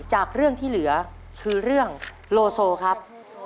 จากเรื่องที่เหลือคือเรื่องโลโซครับ